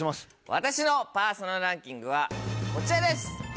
私のパーソナルランキングはこちらです！